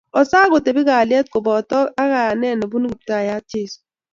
Osaa kotebi kalyet kobotok ak kayanet nebunu Kiptaiyat Jeso